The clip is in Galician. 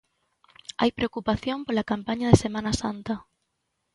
Hai preocupación pola campaña de Semana Santa.